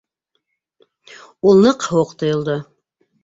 Ул ныҡ һыуыҡ тойолдо.